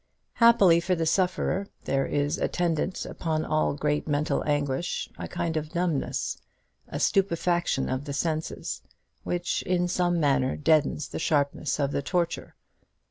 Happily for the sufferer there is attendant upon all great mental anguish a kind of numbness, a stupefaction of the senses, which in some manner deadens the sharpness of the torture.